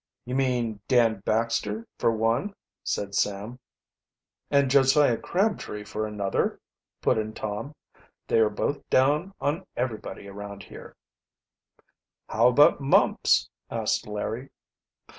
"You mean Dan Baxter for one," said Sam. "And Josiah Crabtree for another," put in Tom. "They are both down on everybody around here." "How about Mumps?" asked Larry.